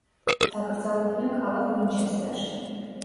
დაკრძალულია ქალაქ უინჩესტერში.